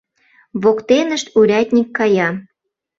Воктенышт урядник кая.